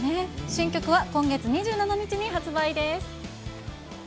新曲は今月２７日に発売です。